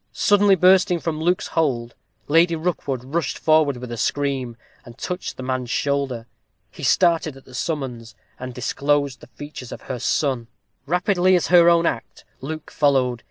Suddenly bursting from Luke's hold, Lady Rookwood rushed forward with a scream, and touched the man's shoulder. He started at the summons, and disclosed the features of her son! Rapidly as her own act, Luke followed.